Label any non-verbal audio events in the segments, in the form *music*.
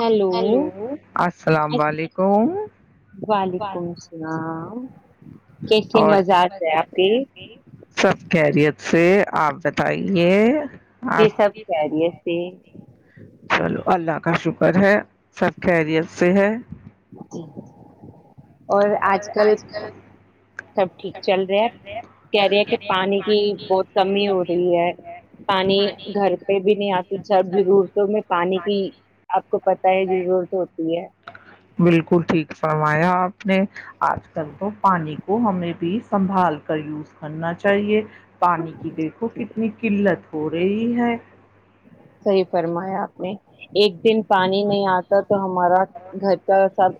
hello hello السلام علیکم، وعلیکم السلام اور س مزہ آتا ہے آپ کے سب *unintelligible* خیریت سے آپ بتائیے آپ کی دعا سے سب خیریت سے چلو اللہ کا شکر پر ہے *unintelligible* سب خیریت سے ہے جی اور آج کل سب ٹھیک چل رہا ہے کہہ رہے ہے کہ پانی کی بہت کمی ہو رہی ہے پانی گھر پہ بھی نہیں آتی سب ضرورتوں میں پانی کی آپ کو پتہ ہے ضرورت ہوتی ہے بالکل ٹھیک فرمایا آپ نے آج کل تو پانی کو ہم نے *unintelligible* بھی سنبھال کریوں *unintelligible* کرنا چاہیے پانی کی دیکھو کتنی قلت *unintelligible* ہو رہی ہے *unintelligible* صحیح فرمایا آپ نے *unintelligible* ایک دن پانی نہیں آتا *unintelligible* تو ہمارا گھر کا ساتھ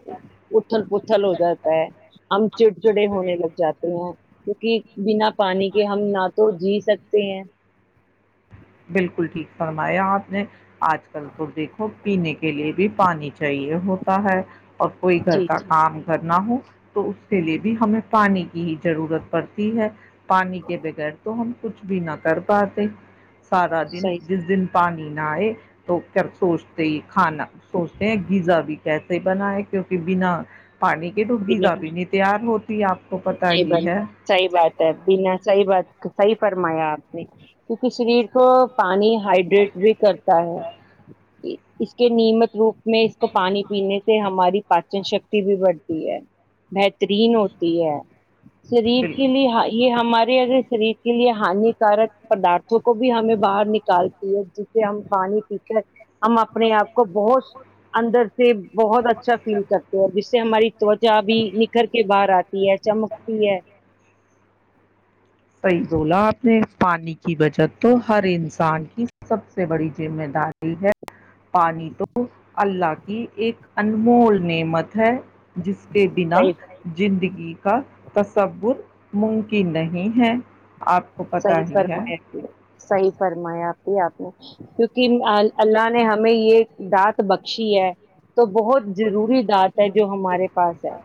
اتھل پھل ہو جاتا ہے ہم چڑچڑے ہونے لگ جاتے ہیں *unintelligible* کیونکہ بنا *unintelligible* پانی کے ہم نہ تو جی سکتے *unintelligible* پ *unintelligible* بالکل ٹھیک فرمایا آپ نے آج کل تو دیکھو پینے کے لیے بھی پانی چاہیے ہوتا ہے *unintelligible* اور کوئی گھر جی کا کام گھر *unintelligible* نہ ہو تو اس کے لیے بھی ہمیں پانی کی ہی ضرورت پڑتی ہے *unintelligible* پانی کے بغیر تو ہم *unintelligible* کچھ بھی نہ کر پاے *unintelligible* سارا دن صحیح جس دن *unintelligible* پانی نہ آئے تو کرھر سوچتے ہی کھانا *unintelligible* سوچتے ہیں غزا بھی *unintelligible* کیسے بناائے کیونکہ بنا *unintelligible* پانی کی بنا ڈگیزا بھی نہیں تیار ہوتی آپ کو پتا نہیں ہی بن ہے صحیح *unintelligible* بات ہے بنا صحیح بات صحیح فرمایا آپ نے کیونکہ شریر کو پانی *unintelligible* ہائیڈریٹ بھی کرتا ہے *unintelligible* اس کے نیمت روپ *unintelligible* میں اس کو پانی پینے سے ہماری *unintelligible* پاچن شکتی بھی بڑھتی *unintelligible* بہترین ہوتی ہے *unintelligible* شریر کے بالکل لیے یہ ہمارے *unintelligible* شریر کے لیے ہانیکارک پدارھوں کو بھی ہمیں باہر نکالتی ہے جسے ہم پانی پی کر ہم اپنے آپ کو بہت اندر *unintelligible* سے بہت اچھا فیل کرتے ہیں جس سے ہماری *unintelligible* جا بھی نکھر کے باہر آتی ہے چمکتی ہے *unintelligible* *inaudible* *unintelligible* صحیح بولا آپ نے پانی کی بچت تو ہر انسان کی سب سے بڑی ذمہ داری ہے *unintelligible* پانی تو *unintelligible* اللہ کی ایک انمول نعمت ہے جس کے بنا صحیح زندگی کا تصور ممکن نہیں نہیں ہے آپ کو پتہ صحیح ہی ہے فرمایا جی صحیح فرمایا آپ کی آپ نے کیونکہ اللہ نے ہمیں یہ دانت بخشی ہے تو بہت ضروری دانت ہے جو ہمارے پاس ہے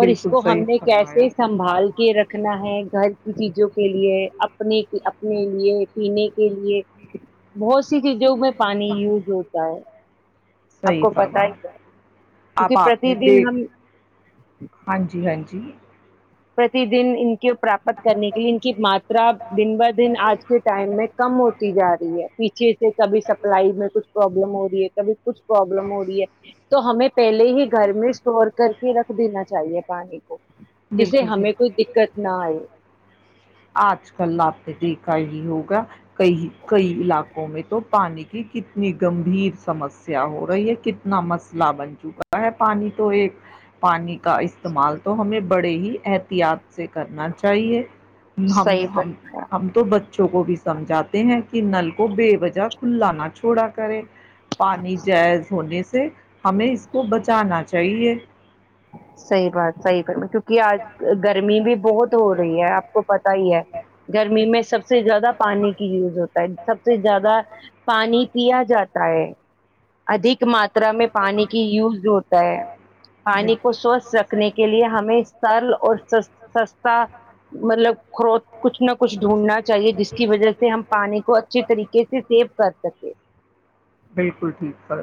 اور اس بالکل کو ہم صحیح نے فرمایا کیسے سنبھال کے رکھنا ہے گر کی چیزوں کے لیے اپنی کی اپنے لیے پینے کے لیے بہت سی چیزوں میں پانی یوز ہوتا ہے آپ صحیح کو پتا فرما ہی کے کیونکہ اب آپ پرتیدیں ہم ہاں جی ہاں جی *unintelligible* پر *unintelligible* تیدیں کے پراپت *unintelligible* کرنے کے لیے ان کی ماترا دن ب دن آج کے ٹائم میں کم ہوتی جا رہی ہے پیچھے سے کبھی سپلائی میں کچھ پروابلم ہو رہی ہے کبھی *unintelligible* کچھ پروبلم ہو رہی ہے تو ہمیں پہلے ہی گھر میں اسٹور کر کے رکھ دینا چاہیے پانی کو جسے بالکل ہمیں کوئی دقت نہ آئے آج کل آپ نے دیکھا ہی ہوگا کئی کئی علاقوں میں تو پانی کی کتنی گمبھیر سمسیا ہو رہی ہے کتنا مسئلہ بن چکا ہے پانی تو ایک پانی کا استعمال تو ہمیں بڑے ہی احتیاط سے کرنا چاہیے ہم صحیح پر ہم ہم تو بچوں کو سمجھاتے ہیں کہ نل کو بے وجہ کھلا نہ چھوڑا کرے پانی جائز ہونے سے سے ہمیں اس کو بچانا چاہیے صحیح بات صحی ب میں کہ آج گرمی بھی بہت ہو رہی ہے آپ کو پتا ہی ہے گرمی میں سب سے زیادہ پانی کی یوز ہوتا ہے سب سے زیادہ پانی پیا جاتا ہے ادھک ماترا میں پانی کی یوز ہوتا ہے پانی کو سوستھ رکھنے کے لیے ہمیں سرل اور س سستا مطلب کرو کچھ نہ کچھ ڈھونڈنا چاہیے جس کی وجہ سے ہم پانی کو اچھیے طریقے سے سیو کر سکیں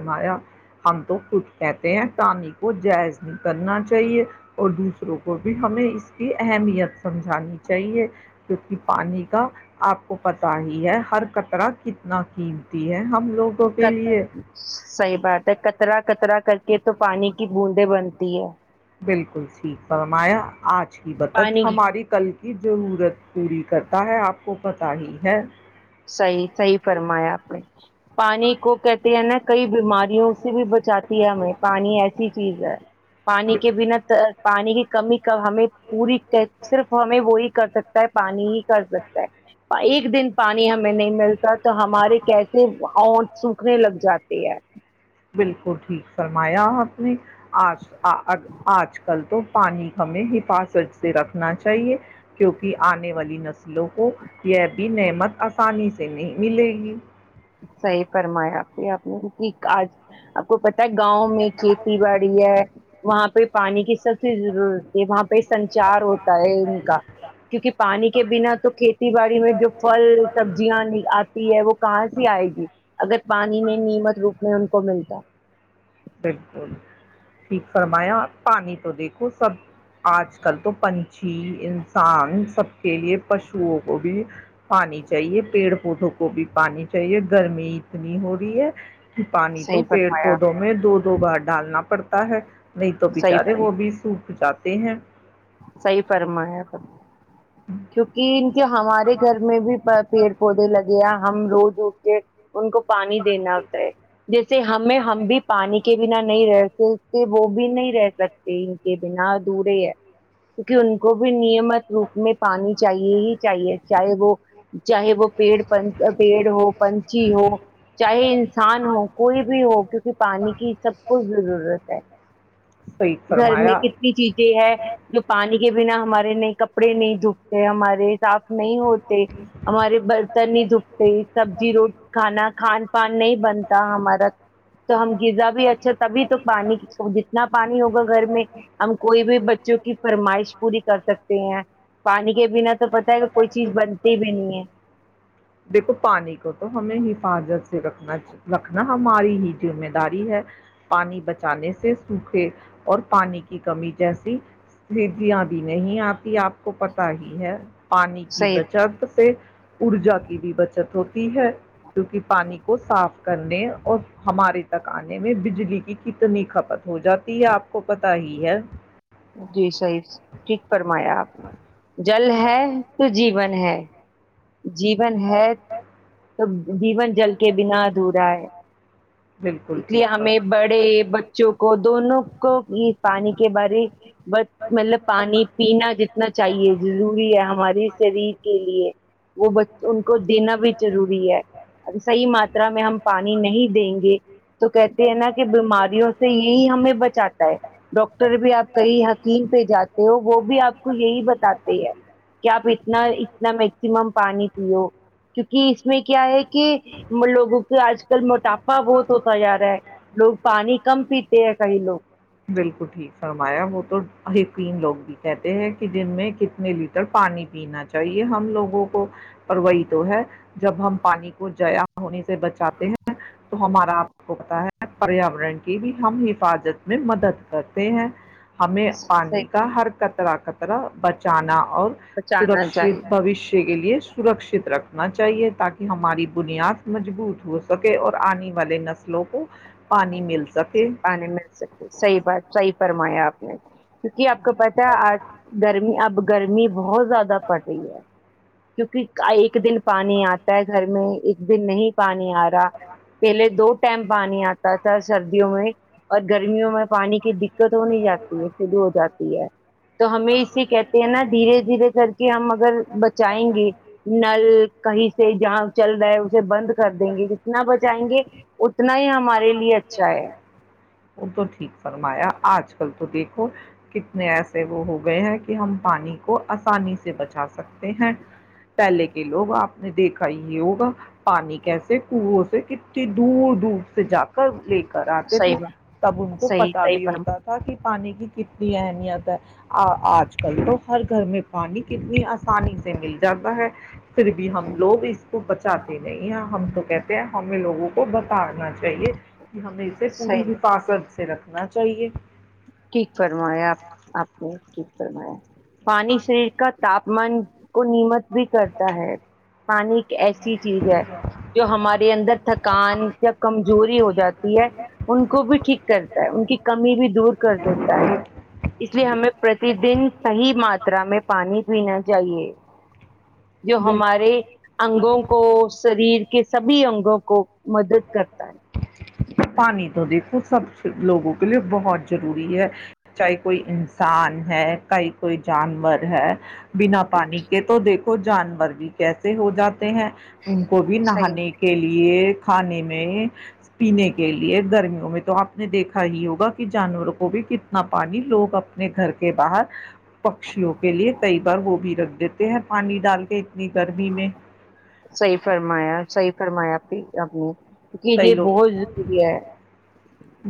آایا *unintelligible* ہم تو خود کہتے ہیں پانی کو جائز نہیں کرنا چاہیے اور دوسروں کو بھی ہمیں اس کی اہمیت سمجھانی چاہیے کیونکہ پانی کا آپ کو پتا ہی ہے ہر کترا کتنا قیمتی ہے ہم لوگوں کے لیے ک بار کترا *unintelligible* کترا کر کے تو پانی کی بوندیں بنتی ہے بالکل ٹھیک فمایا آج کی بدت پانی ہماری کل کی ضرورت پوری کرتا ہے آپ کو پتا ہی ہے سی سی فرمایا آپ نے پانی کو کہتے ہیں نا کئی بیماریوں سے بھی بچاتی وجہ ہے سے ہمیں پانی ایسی چیز ہے پانی کے بنا پانی کے کمی ہمیں پوری صرف ہمیں وہی کر سکتا ہے پانی ہی کر سکتا ہے ایک دن پانی ہمیں نہیں ملتا تو ہمارے کیسے ہونٹ سوکھنے لگ جاتے ہے بالکل ٹھیک سرلمان آیا اپنی آج آج کل تو پانی ہمیں ہی فاس سے رکھنا چاہیے کیونکہ آنے والی نسلوں کو یہ بھی نعمت آسانی سے نہیں ملے گی صحیح فرمایا پھر آپ نے آج آپ کو پ گاؤں میں کھیتی باڑی ہے وہاں پہ پانی کی س ضرورت ہے وہاں پہ سنچار ہوتا ہے ان کا کیونکہ پانی کے بنا تو کھیتی باڑی میں جو پھل سبزیاں آتی ہے وہ کہاں آئے گی اگر پانی نہیں نیمت روپ میں ان کو ملتا بالکل ٹھیک فرمایا پانی تو دیک سب آج کل تو پنچھی انسان سب کے لیے پشوؤ کو بھی پانی چاہیے پیڑ پودوں کو بھی پانی چاہیے گرمی اتنی ہو رہی ہے پانی تو صحیح پیڑ فرمایا پودوں میں دودھ گبار ڈالنا پڑتا ہے نہیں تو صحیح بچارے وہ بھی رک جاتے ہیں صحی فرمایا پ کیونکہ کہ ہمارے گھر میں بھی پیڑ پودے لگے ہیں ہم روز ج *inaudible* ان کو پانی دینا ہوتا ہے جیسے ہمیں ہم بھی پانی کے بنا نہیں رہ سکتے وہ بھی نہیں رہ سکتے ان کے بنا ادورے ہے کیکہ ان کو بھی نیم مت روپ میں پانی چاہیے ہی چاہیے چاہے وہ چاہے وہ پیڑ پن پیڑ ہو پنچھی ہو چاہے انسان ہو کوئی بھی ہو کیونکہ پانی کی سب کچھ ضرورت ہے صحیح گھر میں فرمایا کتنی چیزیں ہے پانی کے بنا ہمارے نہیں کپڑے نہیں جھکتے ہمارے سف نہیں ہوتے ہمارے برتن نہیں دپتے سبزی رو کھانا کھان پان نہیں بنتا ہمارا تو ہم غذا بھی اچھا تبھی تو پانی جتنا پانی ہوگا گھر میں ہم کوئی بھی بچوں کی فرمائش پوری کر سکتے ہیں پانی کے بنا تو پتا ہے کوئی چیز بنتی بھی نہیں ہے دیکھو پانی کو تو ہمیں حفاظت سے رکھنا رکھنا ہماری ہی مہ داری ہے پانی بچانے سے سوکھے اور پانی کی کمی جیسی جی آبھی نہیں آپ آپ کو پت ہی ہے پانی کی صحیح بچت سے ارجا کی بھی بچت ہوتی ہے کیونکہ پانی کو صاف کرنے اور ہمارے تکانے میں بجلی کی کتنی کھپت ہو جاتی ہے آپ کو پت ت ہی ہے جی سیز ٹھیک فرمایا آپ نے جل ہے تو جین ہے جیون ہے تو جیون جل کے بنا ادھورا ہے بالکل اس لیے ٹھیک ہمیں بڑے ہے بچوں کو دونوں کو پانی کے بار بس مطلب پانی پینا جتنا چاہیے ضروری ہے ہماری شریر کے لیے وہ ان کو دینا بھی ضروری ہے صحیح ماترا میں ہم پانی نہیں دیں گے تو کہتے ہیں نا کہ بیماریوں سے یہی ہمیں بچاتا ہے ڈاکٹر بھی آپ حکیم پہ جاتے ہو وہ بھی آپ کو یہی بتاتے ہیں کہ آپ اتنا اتنا میکسیمم پانی پیو کیونکہ اس میں کیا ہے کہ لوگوں کے آج کل موٹاپا بہت ہوتا جا رہا ہے لوگ پانی کم پیتے ہیں کئی لوگ ما م تو یقین لوگ بھی کہتے ہیں کہ جن میں کتنے لیٹر پانی پینا چاہیے ہم لوگوں کو پروی تو ہے جب ہم پانی کو جیا ہونے سے بچاتے ہیں تو ہمارا آپ کو پتا ہے پریاورن کی بھی ہم حفاظت میں مدد کرتے ہیں ہمیں صحیح پانی کا ہر کطرہ کر ارا بچانا اور بچانا چاہیے سرکشت بوشیہ کے لیے سرکشت رکھنا چاہیے تاکہ ہماری بنیاد مضبوط ہو سکے اور آنے والے نسلوں کو پانی مل سکے آانی مل سکے صحیح بات صحیح پر یا آ نے کہ آپ کو پتہ ہے آج گرمی اب گرمی بہت زیادہ پڑ رہی ہے کیونکہ ایک دن پانی آتا ہے گھر میں ایک دن نہیں پانی آ رہا پہلے دو اس ٹائم پانی آتا ہے سردیوں میں اور گرمیوں میں پانی کی دقت ہو نہیں جاتی ہے شروع ہو جاتی ہے تو ہمیں اس سے کہتے ہیں نا دھیرے دھیرے کر کے ہم اگر بچائیں گے نل کہیں سے جہاں چل رہا ہے اسے بند کر دیں گے جتنا بچائیں گے اتنا ہی ہمارے لیے اچھا ہے وہ تو ٹھیک فرمایا آج کل تو دیکھو کتنے ایسے وہ ہو گئے ہیں کہ ہم پانی کو آسانی سے بچا سکتے ہیں پہلے کے لوگ آپ نے دیکھا یہ ہوگا پانی کیسے کنووں سے کتنی دور دور سے جا کر لے کراتے تھے صحیح بات تب ان کو صحیح صحیح ابھی فرم ہوتا تھا کہ پانی کی کتنی اہمیت ہے آ آج کل تو ہر گھر میں پانی کتنی آسانی سے مل جاتا ہے پھر بھی ہم لوگ اس کو بچاتے نہیں ہیں ہم تو کہتے ہیں ہمیں لوگوں کو بتانا چاہیے ہمیں اس سے پوری صحیح حفاظت صرف نہ چاہیے ٹھیک فرمایا آپ آپ نے ٹھیک فرمایا پانی سے کا تاپمان کو نیمت بھی کرتا ہے پانی ایک ایسی چیز ہے جو ہمارے اندر تھکان یا کمزوری ہو جاتی ہے ان کو بھی ٹھیک کرتا ہے ان کی کمی بھی دور کر دیتا ہے اس لیے ہمیں پرتی دن صحیح ماترا میں پانی پینا چاہیے جو ہمارے انگوں کو شریر کے سبھی انگوں کو مدد کرتا ہے پانی تو دیکھو سب لوگوں کے لیے بہت ضروری ہے چاہے کوئی انسان ہے کہیں کوئی جانور ہے بنا پانی کے تو دیکھو جانور بھی کیسے ہو جاتے ہیں ان کو بھی صحیح نہانے کے لیے کھانے میں پینے کے لیے گرمیوں میں تو آپ نے دیکھا ہی ہوگا کہ جانوروں کو بھی کتنا پانی لوگ اپنے گھر کے باہر پکشیوں کے لیے کئی بار وہ بھی رکھ دیتے ہیں پانی ڈال کے اتنی گرمی میں صحیح فرمایا صحیح فرمایا ٹھیک اپنے کیوں کہ کئی یہ لوگ بہت ضروری ہے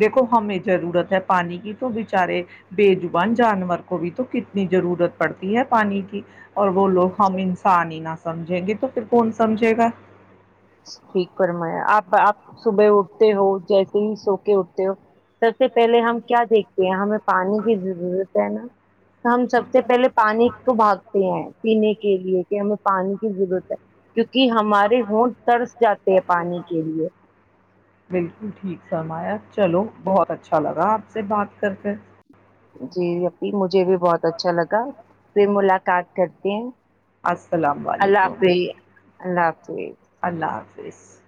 دیکھو ہمیں ضرورت ہے پانی کی تو بچارے بےجبان جانور کو بھی تو کتنی ضرورت پڑتی ہے پانی کی اور بولو ہم انسان ہی نہ سمجھیں گے تو پھر کون سمجھے گا فرمایا آپ آپ صبح اٹھتے ہو جیسے ہی سو کے اٹھتے ہو سب سے پہلے ہم کیا دیکھتے ہیں ہمیں پانی کی ضرورت ہے نا ہم سب سے پہلے پانی کو بھاگتے ہیں پینے کے لیے کہ ہمیں پانی کی ضرورت ہے کیک کہ ہمارے ہو بالکل ٹھیک سرمایا چلو بہت اچھا لگا آپ سے بات کر کے جی ای مجھے بھی بہت اچھا لگا پ ملاقات کرتے ہیں السلام اللہ علیکم حافظ اللہ ح اللہ حافظ اسس *unintelligible*